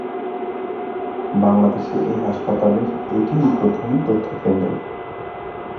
বাংলাদেশে এ হাসপাতালের এটিই প্রথম তথ্যকেন্দ্র।